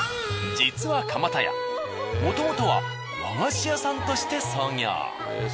実は蒲田屋もともとは和菓子屋さんとして創業。